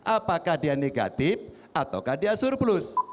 apakah dia negatif ataukah dia surplus